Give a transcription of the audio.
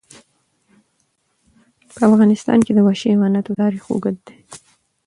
په افغانستان کې د وحشي حیوانات تاریخ اوږد دی.